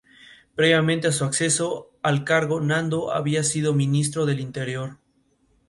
Previamente a su acceso al cargo, "Nando" había sido Ministro del Interior.